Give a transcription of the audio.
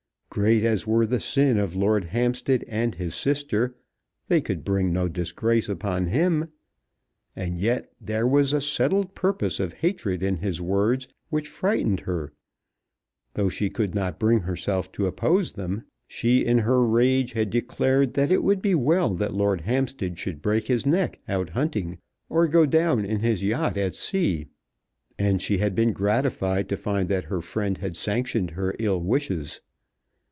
Great as were the sin of Lord Hampstead and his sister, they could bring no disgrace upon him! And yet there was a settled purpose of hatred in his words which frightened her, though she could not bring herself to oppose them. She in her rage had declared that it would be well that Lord Hampstead should break his neck out hunting or go down in his yacht at sea; and she had been gratified to find that her friend had sanctioned her ill wishes.